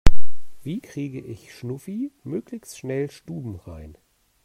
Wie kriege ich Schnuffi möglichst schnell stubenrein?